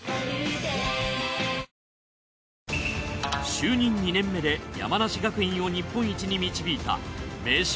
就任２年目で山梨学院を日本一に導いた名将